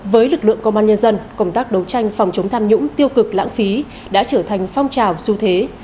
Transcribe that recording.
với lực lượng công an nhân dân công tác đấu tranh phòng chống tham nhũng tiêu cực lãng phí đã trở thành phong trào su thế